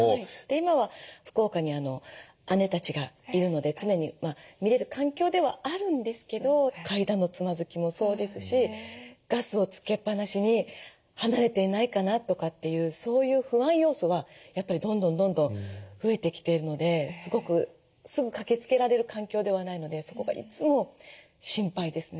今は福岡に姉たちがいるので常に見れる環境ではあるんですけど階段のつまずきもそうですしガスをつけっぱなしに離れていないかなとかっていうそういう不安要素はやっぱりどんどんどんどん増えてきているのですごくすぐ駆けつけられる環境ではないのでそこがいつも心配ですね。